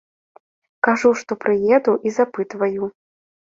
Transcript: Кажу, што прыеду, і запытваю.